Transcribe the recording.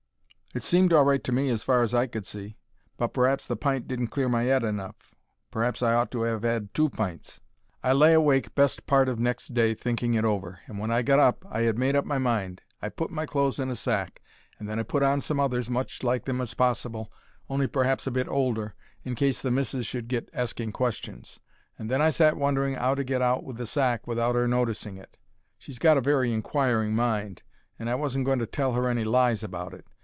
It seemed all right to me as far as I could see; but p'r'aps the pint didn't clear my 'ead enough—p'r'aps I ought to 'ave 'ad two pints. I lay awake best part of next day thinking it over, and when I got up I 'ad made up my mind. I put my clothes in a sack, and then I put on some others as much like 'em as possible, on'y p'r'aps a bit older, in case the missis should get asking questions; and then I sat wondering 'ow to get out with the sack without 'er noticing it. She's got a very inquiring mind, and I wasn't going to tell her any lies about it.